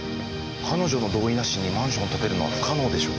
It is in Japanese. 彼女の同意なしにマンションを建てるのは不可能でしょう。